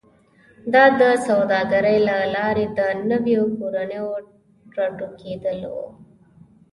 دا د سوداګرۍ له لارې د نویو کورنیو راټوکېدل و